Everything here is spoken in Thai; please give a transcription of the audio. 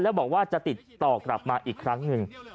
แล้วบอกว่าจะติดต่อกลับมาอีกครั้งหนึ่ง